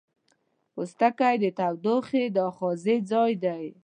پوستکی د تودوخې د آخذې ځای دی.